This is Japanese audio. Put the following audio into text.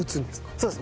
そうです。